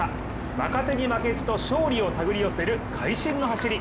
若手に負けじと勝利をたぐりよせる快心の走り。